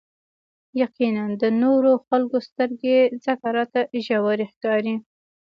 يقيناً د نورو خلکو سترګې ځکه راته ژورې ښکاري.